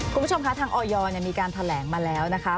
คุณผู้ชมคะทางออยมีการแถลงมาแล้วนะคะ